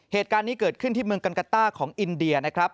เหตุการณ์นี้เกิดขึ้นที่เมืองกันกาต้าของอินเดียนะครับ